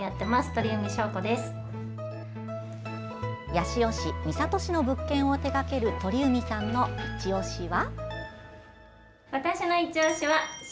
八潮市・三郷市の物件を手掛ける鳥海さんのいちオシは？